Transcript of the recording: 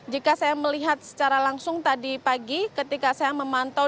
jika saya melihat secara langsung tadi pagi ketika saya memantau